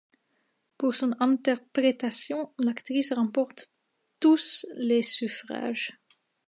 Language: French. Pour son interprétation, l'actrice remporte tous les suffrages.